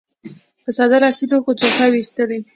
په ساده لاسي لوښو ځوښاوې اېستلې.